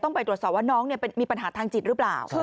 ไปตรวจสอบว่าน้องมีปัญหาทางจิตหรือเปล่า